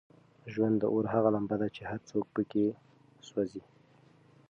ژوند د اور هغه لمبه ده چې هر څوک پکې سوزي.